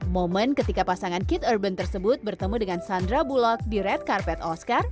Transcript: momen ketika pasangan kit urban tersebut bertemu dengan sandra bulog di red carpet oscar